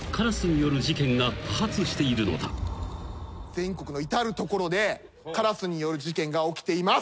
全国の至る所でカラスによる事件が起きています。